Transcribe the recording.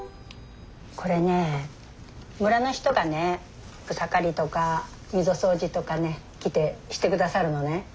これね村の人がね草刈りとか溝掃除とかね来てして下さるのね。